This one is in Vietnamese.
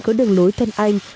có đường lối thân anh